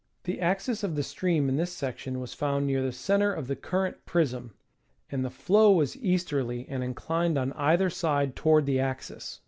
The axis of the stream in this section was found near the center of the current prism, and the flow was easterly and inclined on either side toward the axis.